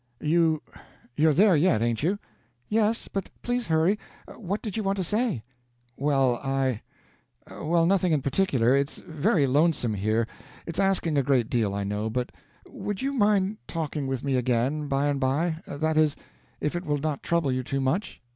"You you're there yet, ain't you?" "Yes; but please hurry. What did you want to say?" "Well, I well, nothing in particular. It's very lonesome here. It's asking a great deal, I know, but would you mind talking with me again by and by that is, if it will not trouble you too much?"